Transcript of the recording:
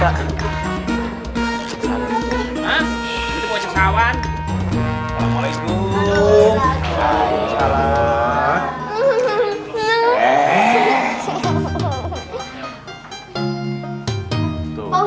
hai maaf itu pesawat